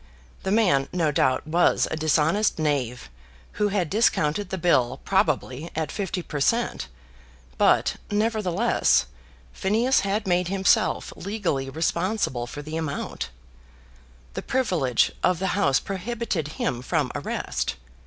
The man no doubt was a dishonest knave who had discounted the bill probably at fifty per cent; but, nevertheless, Phineas had made himself legally responsible for the amount. The privilege of the House prohibited him from arrest.